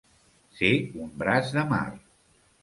Ser un braç de mar.